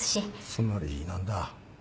つまり何だ。